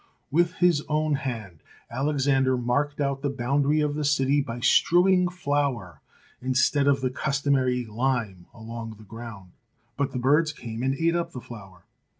With his own hand Alexander marked out the boundary of the city by strewing flour instead of the customary THE PHAROS OF ALEXANDRIA 171 lime along the ground, but the birds came and ate up the flour.